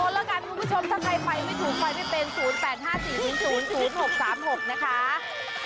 นึกออกได้ไงล่ะโทรละกันคุณผู้ชมถ้าใกล้ไฟไม่ถูกไฟไม่เป็น๐๘๕๔๐๐๖๓๖นะคะ